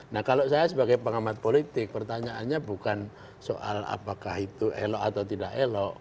nah kalau saya sebagai pengamat politik pertanyaannya bukan soal apakah itu elok atau tidak elok